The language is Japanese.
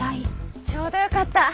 ちょうどよかった。